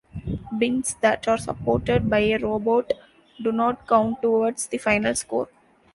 Bins that are supported by a robot do not count towards the final score.